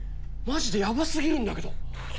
マジでやばすぎるんだけど。